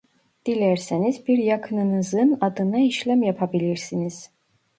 Dilerseniz bir yakınınızın adına işlem yapabilirsiniz